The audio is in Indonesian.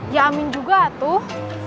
ya amin juga atuh